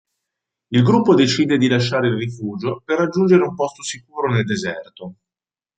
Il gruppo decide di lasciare il rifugio per raggiungere un posto sicuro nel deserto.